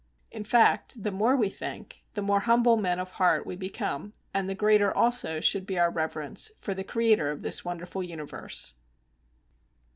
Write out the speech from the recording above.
In fact, the more we think, the more humble men of heart we become, and the greater also should be our reverence for the Creator of this wonderful universe.